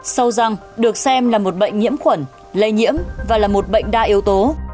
sâu răng được xem là một bệnh nhiễm khuẩn lây nhiễm và là một bệnh đa yếu tố